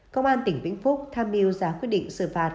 công an tỉnh vĩnh phúc tham mưu ra quyết định xử phạt